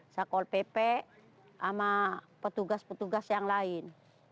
sakol pp sama petugas petugas yang lain